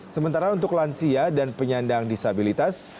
sementara untuk lansia dan penyandang disabilitas